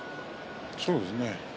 そうですね。